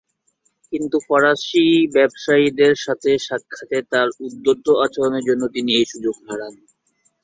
কিন্তু ফরাসি ব্যবসায়ীদের সাথে সাক্ষাতে তার উদ্ধত আচরণের জন্য তিনি এই সুযোগ হারান।